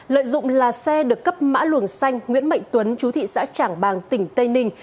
lợi dụng là xe được cấp mã luồng xanh nguyễn mạnh tuấn chú thị xã trảng bàng tỉnh tây ninh